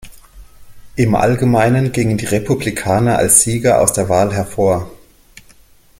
Im Allgemeinen gingen die Republikaner als Sieger aus der Wahl hervor.